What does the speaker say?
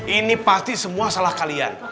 ini pasti semua salah kalian